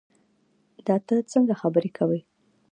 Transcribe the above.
دا تۀ څنګه خبرې کوې